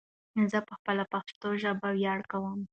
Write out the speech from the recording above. ځه په خپله پشتو ژبه ویاړ کوم